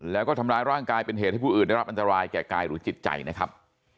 แล้วก็ทำร้ายร่างกายเป็นเหตุให้ผู้อื่นได้รับอันตรายแก่กายหรือจิตใจนะครับ